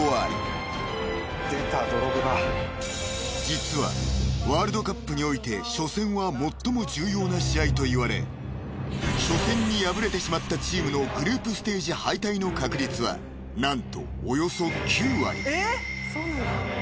［実はワールドカップにおいて初戦は最も重要な試合といわれ初戦に敗れてしまったチームのグループステージ敗退の確率は何とおよそ９割］